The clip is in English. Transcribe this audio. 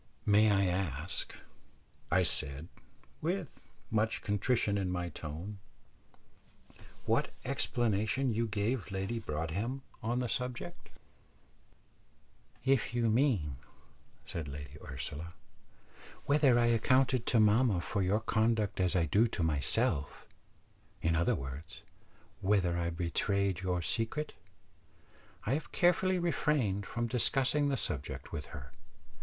"May I ask," I said, with much contrition in my tone, "what explanation you gave Lady Broadhem on the subject?" "If you mean," said Lady Ursula, "whether I accounted to mamma for your conduct as I do to myself in other words, whether I betrayed your secret I have carefully refrained from discussing the subject with her.